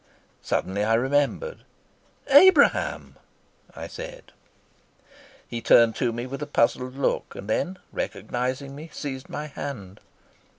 Suddenly I remembered. "Abraham," I said. He turned to me with a puzzled look, and then, recognizing me, seized my hand.